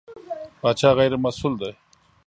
پاچا غېر مسوول دی.